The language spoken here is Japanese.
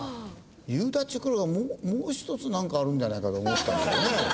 「夕立来る」はもう１つなんかあるんじゃないかと思ったんだけどね。